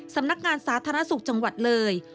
สำนักงานสาธารณสุขจังหวัดเลย